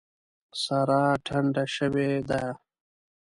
سارا ټنډه شوې ده.